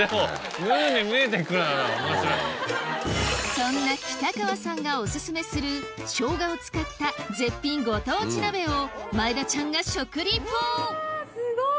そんな北川さんがオススメする生姜を使った絶品ご当地鍋を前田ちゃんが食リポすごい！